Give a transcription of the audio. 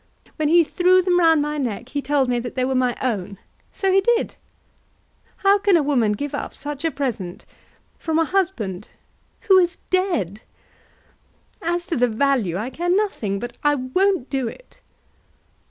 When he threw them round my neck he told me that they were my own; so he did. How can a woman give up such a present, from a husband, who is dead? As to the value, I care nothing. But I won't do it."